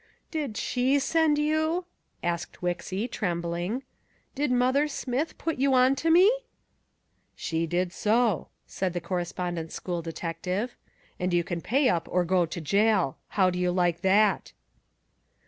"Did she send you?" asked Wixy, trembling. "Did Mother Smith put you onto me?" "She did so," said the Correspondence School detective. "And you can pay up or go to jail. How'd you like that?"